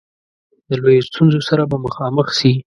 د لویو ستونزو سره به مخامخ سي.